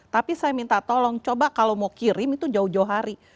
tapi saya minta tolong coba kalau mau kirim itu jauh jauh hari